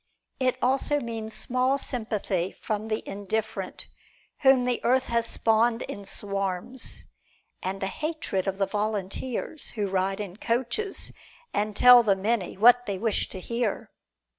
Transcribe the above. It also means small sympathy from the indifferent whom the earth has spawned in swarms, and the hatred of the volunteers who ride in coaches, and tell the many what they wish to hear.